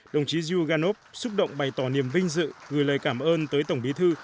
đồng chí zhuganov xúc động bày tỏ niềm vinh dự gửi lời cảm ơn tới tổng bí thư